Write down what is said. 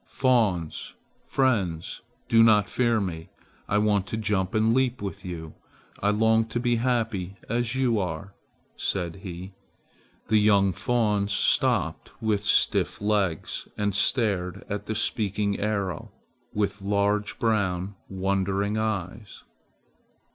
Fawns! Friends, do not fear me. I want to jump and leap with you. I long to be happy as you are," said he. The young fawns stopped with stiff legs and stared at the speaking arrow with large brown wondering eyes.